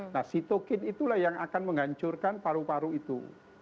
nah sitokin itulah yang akan menghancurkan paru paru itu